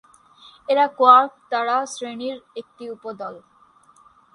এরা কোয়ার্ক তারা শ্রেণির একটি উপদল।